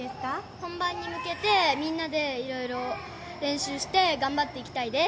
本番に向けてみんなでいろいろ練習して頑張っていきたいです。